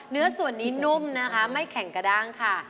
เนื้อส่วนนี้นุ่มนะคะไม่แข็งกระด้างค่ะ